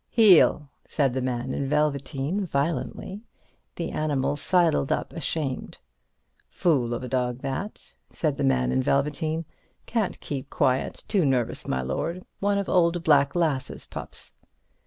"Heel," said the man in velveteen, violently. The animal sidled up, ashamed. "Fool of a dog, that," said the man in velveteen; "can't keep quiet. Too nervous, my lord. One of old Black Lass's pups."